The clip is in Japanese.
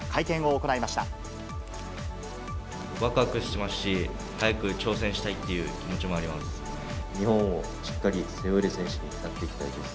わくわくしますし、早く挑戦したいっていう気持ちもあります。